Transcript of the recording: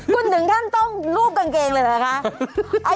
คุณถึงขั้นต้องรูปกางเกงเลยเหรอคะ